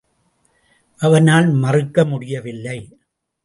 அவனால் மறுக்க முடியவில்லை.